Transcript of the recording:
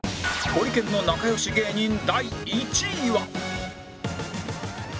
ホリケンの仲良し芸人第１位は